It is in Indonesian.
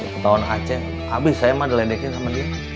si ketauan aceh abis saya mah diledekin sama dia